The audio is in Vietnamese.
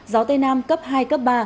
gió tây nam cấp hai cấp ba